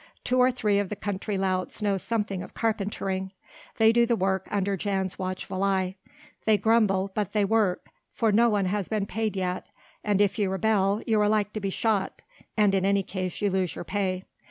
Two or three of the country louts know something of carpentering. They do the work under Jan's watchful eye. They grumble but they work, for no one has been paid yet, and if you rebel you are like to be shot, and in any case you lose your pay.